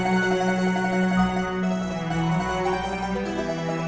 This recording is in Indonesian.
jangan pergi lagi